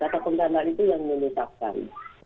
kata penggandaan itu yang menutupkan